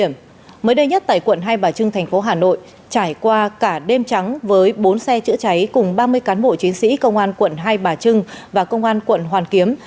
mới đây nhất tại quận hai bà trưng thành phố hà nội trải qua cả đêm trắng với bốn xe chữa cháy cùng ba mươi cán bộ chiến sĩ công an quận hai bà trưng và công an quận hoàn kiếm